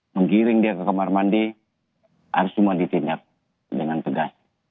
menggiring dia ke kamar mandi harus semua ditindak dengan tegas